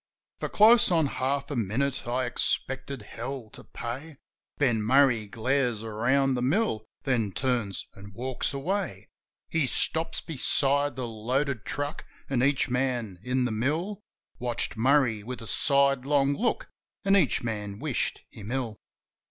For close on half a minute I expected Hell to pay; But Murray glares around the mill — ^then turns an' walks away. He stops beside the loaded truck; an' each man in the n;iill Watched Murray with a sidelong look; an' each man wished him ill.